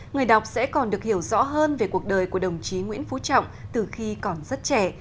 người đọc sẽ còn được hiểu rõ hơn về cuộc đời của đồng chí nguyễn phú trọng từ khi còn rất trẻ